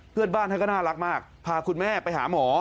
เพื่อนบ้านท่านก็น่ารักมากพาคุณแม่ไปหาหมอ